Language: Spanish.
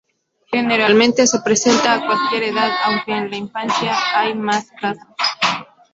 Generalmente, se presenta a cualquier edad, aunque en la infancia hay más casos.